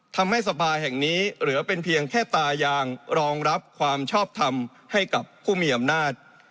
ทำให้สภาแห่งนี้เหลือเป็นเพียงแค่ตายางรองรับความชอบทำให้กับผู้มีอำนาจ